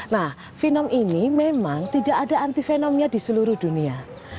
nah fenom ini memang tidak ada antivinomnya di seluruh dunia